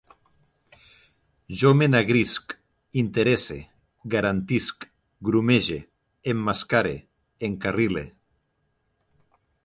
Jo m'enagrisc, interesse, garantisc, grumege, emmascare, encarrile